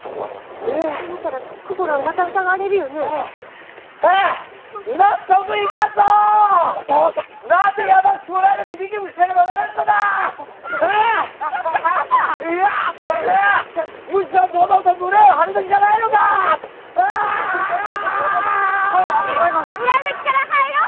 ねえ裏口から入ろう！